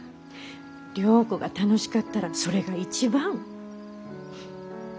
良子が楽しかったらそれが一番。